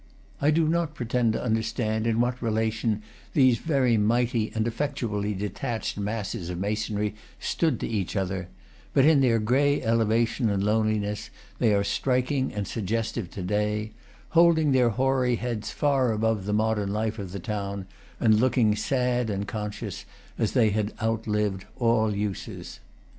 I do not pretend to understand in what relation these very mighty and effectually detached masses of masonry stood to each other, but in their gray elevation and loneliness they are striking and suggestive to day; holding their hoary heads far above the modern life of the town, and looking sad and conscious, as they had outlived all uses.